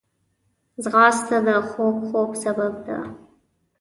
ځغاسته د خوږ خوب سبب ده